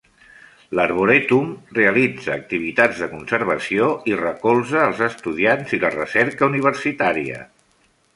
L'Arboretum realitza activitats de conservació i recolza els estudiants i la recerca universitària.